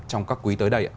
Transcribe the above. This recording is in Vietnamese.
trong các quý tới đây